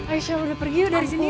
aisyah udah pergi udah disini